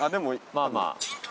まあまあ。